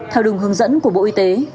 theo đường hướng dẫn của bộ y tế